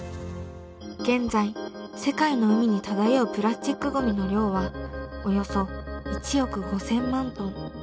現在世界の海に漂うプラスチックゴミの量はおよそ１億５，０００万トン。